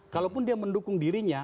kalaupun dia mendukung dirinya